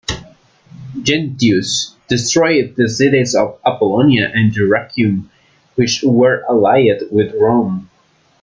Gentius destroyed the cities of Apollonia and Dyrrhachium, which were allied with Rome.